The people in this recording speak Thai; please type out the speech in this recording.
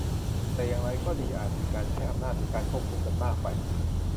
แต่อย่างไรก็ดีอาจมีการใช้อำนาจหรือการควบคุมกันมากไป